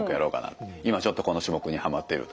今ちょっとこの種目にハマってるとかね。